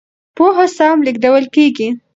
پوهه سم لېږدول کېږي.